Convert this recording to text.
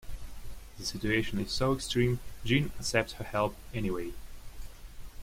The situation is so extreme Jean accepts her help anyway.